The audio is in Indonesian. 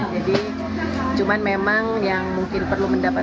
jadi cuman memang yang mungkin perlu mendapatkan